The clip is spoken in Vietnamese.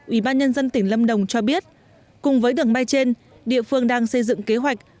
ủy ban nhân dân tỉnh lâm đồng cho biết cùng với đường bay trên địa phương đang xây dựng kế hoạch